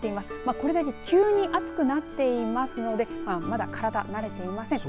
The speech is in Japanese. これだけ急に暑くなっていますのでまだ体、慣れていません。